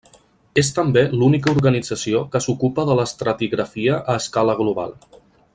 És també l'única organització que s'ocupa de l'estratigrafia a escala global.